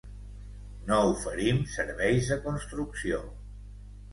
No oferim serveis de construcció.